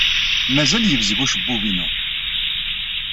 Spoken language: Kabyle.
Mazal yebzeg ucebbub-inu.